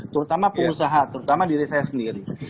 terutama pengusaha terutama diri saya sendiri